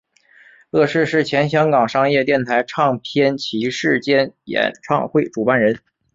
乐仕是前香港商业电台唱片骑师兼演唱会主办人。